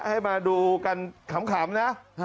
ให้มาดูกันขำนะ